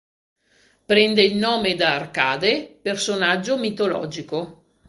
Prende il nome da Arcade, personaggio mitologico.